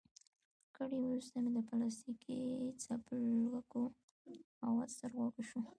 ګړی وروسته مې د پلاستیکي څپلکو اواز تر غوږو شو.